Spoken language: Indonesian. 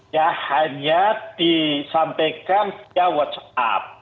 ya hanya disampaikan via whatsapp